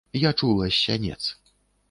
Я чула з сянец.